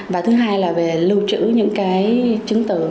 và thứ hai là về lưu trữ những cái chứng từ